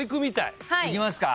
いきますか？